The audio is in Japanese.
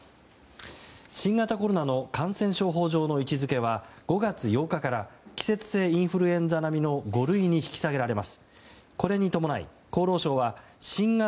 新型コロナの感染症法上の位置づけは５月８日から季節性インフルエンザ並みの５類に引き下げられます。